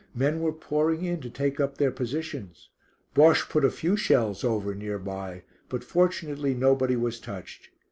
Men were pouring in to take up their positions. Bosche put a few shells over near by, but fortunately nobody was touched.